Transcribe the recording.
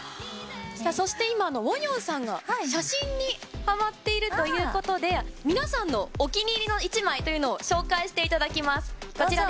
さあ、そして今、ウォニョンさんが写真にはまっているということで、皆さんのお気に入りの１枚というのを紹介していただきます。